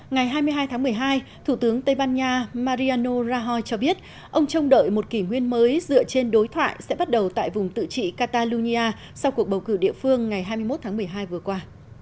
ngày hai mươi hai tháng một mươi hai thủ tướng tây ban nha mariano raho cho biết ông trông đợi một kỷ nguyên mới dựa trên đối thoại sẽ bắt đầu tại vùng tự trị catalonia sau cuộc bầu cử địa phương ngày hai mươi một tháng một mươi hai vừa qua